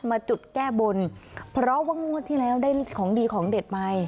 มาจุดแก้บนเพราะว่างวดที่แล้วได้ของดีของเด็ดมา